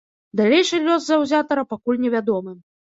Далейшы лёс заўзятара пакуль невядомы.